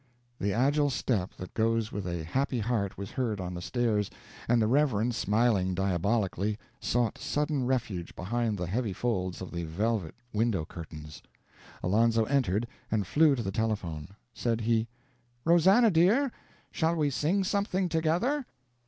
The agile step that goes with a happy heart was heard on the stairs, and the Reverend, smiling diabolically, sought sudden refuge behind the heavy folds of the velvet window curtains. Alonzo entered and flew to the telephone. Said he: "Rosannah, dear, shall we sing something together?"